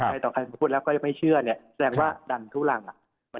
ต่อใครพูดแล้วก็ยังไม่เชื่อเนี่ยแสดงว่าดันทุรังอ่ะ